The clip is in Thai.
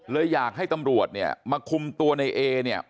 เลยอยากให้ตำรวจเนี่ยมาคุมตัวในเอเนี่ย